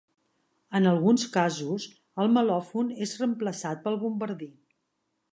En alguns casos el melòfon és reemplaçat pel bombardí.